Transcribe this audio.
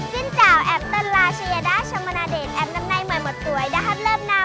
สิ้นเจ้าแอบต้นลาชียะด้าชมนาเดชแอบน้ำไน้หมดต่วยได้ฮัตเริ่มนำ